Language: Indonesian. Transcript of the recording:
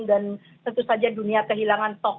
dan tentu saja dunia kehilangan tokoh